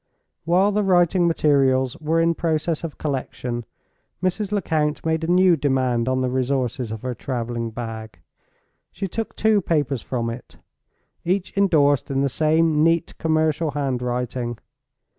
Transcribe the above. While the writing materials were in process of collection, Mrs. Lecount made a new demand on the resources of her traveling bag. She took two papers from it, each indorsed in the same neat commercial handwriting.